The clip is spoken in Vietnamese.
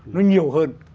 nó nhiều hơn